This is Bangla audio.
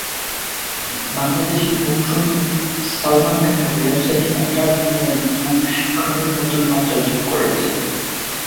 বাংলাদেশি বংশোদ্ভূত সালমান খানের ওয়েবসাইট গোটা দুনিয়ায় দূরশিক্ষণে নতুন মাত্রা যোগ করেছে।